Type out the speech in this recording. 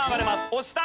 押した！